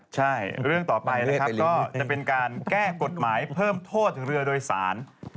ใช่เรื่องต่อไปนะครับก็จะเป็นการแก้กฎหมายเพิ่มโทษถึงเรือโดยสาร